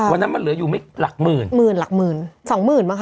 วันนั้นมันเหลืออยู่ไม่หลักหมื่นหมื่นหลักหมื่นสองหมื่นบ้างค